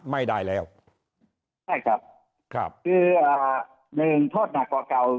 ไม่ได้แล้วใช่ครับครับคือหนึ่งโทษหนักกว่าเก่า